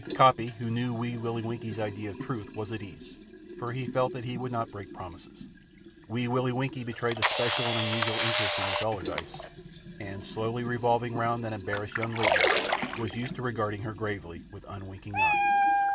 Coppy, who knew Wee Willie Winkie's idea of truth, was at ease, for he felt that he would not break promises. Wee Willie Winkie betrayed a special and unusual interest in Miss Allardyce, and, slowly revolving round that embarrassed young lady, was used to regard her gravely with unwinking eye.